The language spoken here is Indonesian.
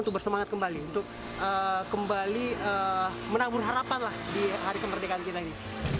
untuk bersemangat kembali untuk kembali menabur harapan lah di hari kemerdekaan kita ini